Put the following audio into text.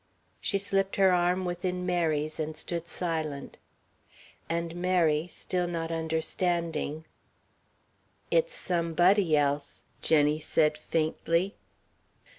She slipped her arm within Mary's and stood silent. And, Mary still not understanding, "It's somebody else," Jenny said faintly.